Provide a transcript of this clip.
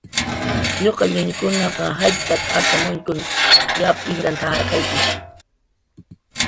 "Lluqallunkunaq jaytat acxamuñkun yap jijran t""ajarqayki. "